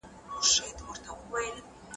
هغه د خپلو اتلانو له لارې د ژوند مانا بیانوي.